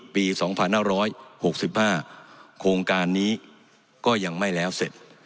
ปีสองพันห้าร้อยหกสิบห้าโครงการนี้ก็ยังไม่แล้วเสร็จ